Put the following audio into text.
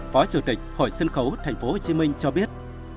phó chủ tịch hội sân khấu tp hcm cho biết